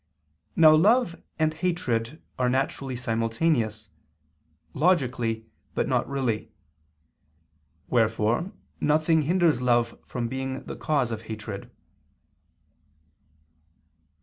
Now love and hatred are naturally simultaneous, logically but not really. Wherefore nothing hinders love from being the cause of hatred.